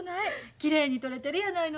きれいに撮れてるやないの。